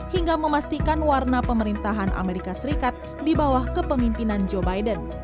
hingga memastikan warna pemerintahan amerika serikat di bawah kepemimpinan joe biden